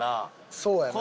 そうやな。